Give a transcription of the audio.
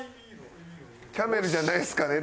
「キャメルじゃないですかね」